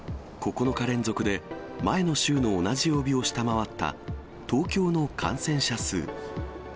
９日連続で前の週の同じ曜日を下回った、東京の感染者数。